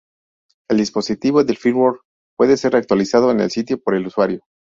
El Dispositivo de firmware puede ser actualizado en el sitio por el usuario.